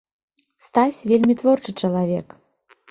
Стась вельмі творчы чалавек.